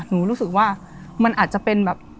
รู้สึกว่ามันอาจจะเป็นแบบ